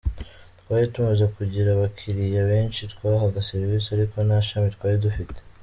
Twari tumaze kugira abakiriya benshi twahaga serivisi ariko nta shami twari dufite.